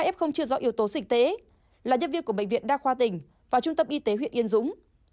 hai f chưa rõ yếu tố sịch tế là nhân viên của bệnh viện đa khoa tỉnh và trung tâm y tế huyện yên dũng